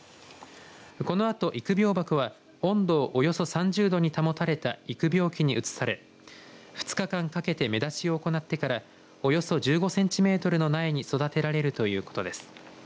このあと育苗箱は温度をおよそ３０度に保たれた育苗機に移され２日間かけて芽出しを行ってからおよそ１５センチメートルの苗に育てられるということです。